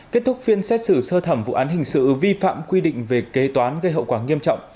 kết thúc phiên xét xử sơ thẩm vụ án hình sự vi phạm quy định về kế toán gây hậu quả nghiêm trọng